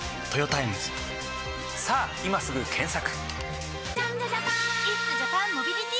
さぁ今すぐ検索！